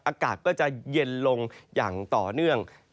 อากาศก็จะเย็นลงอย่างต่อเนื่อง